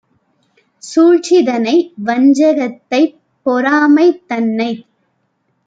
சூழ்ச்சிதனை வஞ்சகத்தைப் பொறாமை தன்னைத்